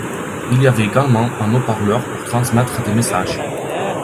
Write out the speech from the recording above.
Il y avait également un haut-parleur pour transmettre des messages.